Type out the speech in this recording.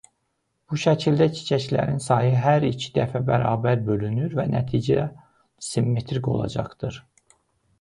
Bu şəkildə çiçəklərin sayı hər iki tərəfə bərabər bölünür və nəticə simmetrik olacaqdır.